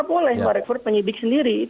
boleh merekrut penyidik sendiri